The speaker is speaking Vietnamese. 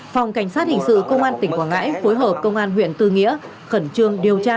phòng cảnh sát hình sự công an tỉnh quảng ngãi phối hợp công an huyện tư nghĩa khẩn trương điều tra